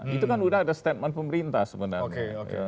itu kan udah ada statement pemerintah sebenarnya